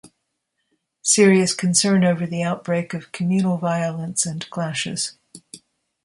Serious concern over the outbreak of communal violence and clashes.